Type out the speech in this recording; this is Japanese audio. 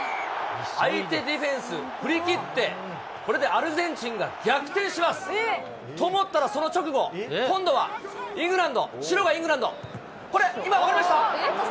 相手ディフェンス振り切って、これでアルゼンチンが逆転します。と思ったらその直後、今度はイングランド、白がイングランド、これ、今の分かりました？